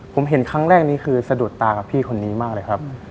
ผมเห็นครั้งแรกนี้คือสะดุดตากับพี่คนนี้มากเลยครับ